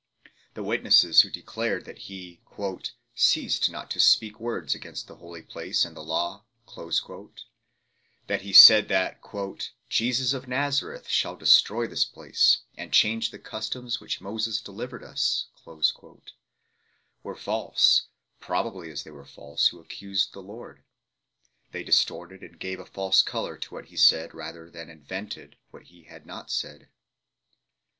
The witnesses who declared that he "ceased not to speak words against the Holy Place and the Law;" that he said that "Jesus of Nazareth shall destroy this place and change the customs which Moses delivered us 1 ," were false probably a s they were false who accused the Lord ; they distorted and gave a false colour to what he had said, rather than invented what he had not said.